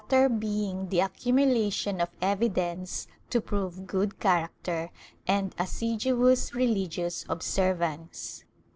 64 THE TRIAL [Book VI being the accumulation of evidence to prove good character and assiduous reUgious observance.